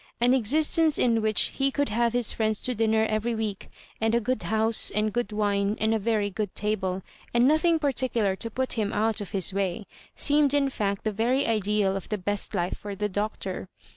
An existence in which he could have his friends to dinner every week, and a good house, and good wine, and a very good table, and nothing particular to put him out of his way, seemed in fact the very ideal of the best life for the Doctor.